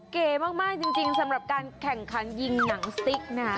เก๋มากจริงสำหรับการแข่งขันยิงหนังซิกนะฮะ